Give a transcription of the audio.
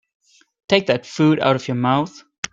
Take that food out of your mouth.